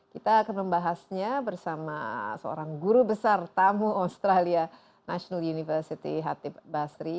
kita akan membahasnya bersama seorang guru besar tamu australia national university hatip basri